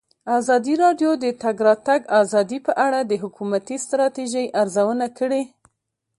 ازادي راډیو د د تګ راتګ ازادي په اړه د حکومتي ستراتیژۍ ارزونه کړې.